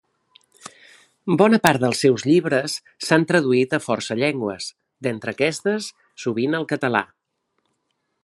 Bona part dels seus llibres s'han traduït a força llengües, d'entre aquestes sovint el català.